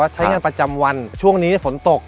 ใช้งานประจำวันช่วงนี้ฝนตก